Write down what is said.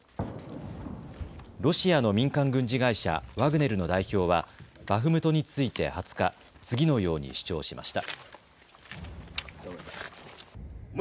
ロシアの民間軍事会社ワグネルの代表はバフムトについて２０日、次のように主張しました。